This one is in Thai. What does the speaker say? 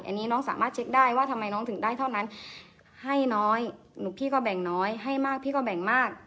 อันนี้น้องสามารถเช็คได้ว่าทำไมน้องถึงได้เท่านั้นให้น้อยหนูพี่ก็แบ่งน้อยให้มากพี่ก็แบ่งมาก